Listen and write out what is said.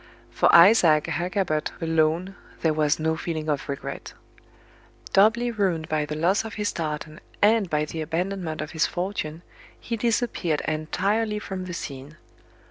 For Isaac Hakkabut alone there was no feeling of regret. Doubly ruined by the loss of his tartan, and by the abandonment of his fortune, he disappeared entirely from the scene.